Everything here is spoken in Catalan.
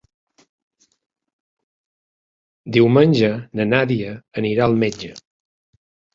Diumenge na Nàdia anirà al metge.